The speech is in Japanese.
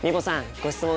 ご質問